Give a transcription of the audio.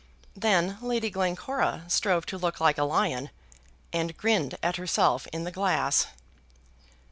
Then Lady Glencora strove to look like a lion, and grinned at herself in the glass.